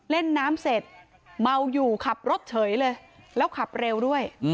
เล่นน้ำเสร็จเมาอยู่ขับรถเฉยเลยแล้วขับเร็วด้วย